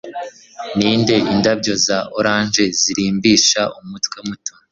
Ninde indabyo za orange zirimbisha umutwe muto